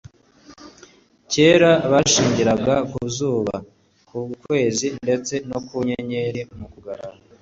kera bashingiraga ku zuba, ku kwezi ndetse no ku nyenyeri mu kuranga